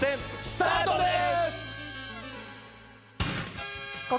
スタートです！